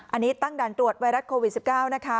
อันนี้ตั้งด่านตรวจไวรัสโควิด๑๙นะคะ